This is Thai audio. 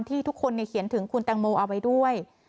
ที่ทุกคนเขียนถึงคุณแตงโมเอาไว้ด้วย